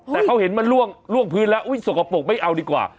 แต่เขาเห็นมันล่วงพื้นแล้วสกปรกไม่เอาดีกว่า